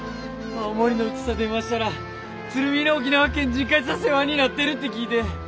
青森のうぢさ電話したら鶴見の沖縄県人会さ世話になってるって聞いで。